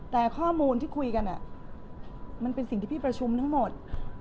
แต่ข้อมูลที่คุยกันมันเป็นสิ่งที่พี่ประชุมทั้งหมด